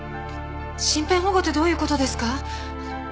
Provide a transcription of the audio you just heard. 身辺保護ってどういう事ですか？